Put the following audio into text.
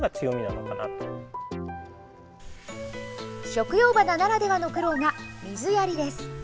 食用花ならではの苦労が水やりです。